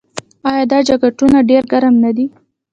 آیا دا جاکټونه ډیر ګرم نه دي؟